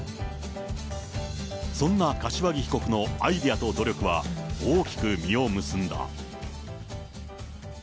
そんな柏木被告のアイデアと努力は大きく実を結んだ。